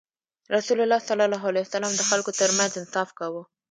رسول الله ﷺ د خلکو ترمنځ انصاف کاوه.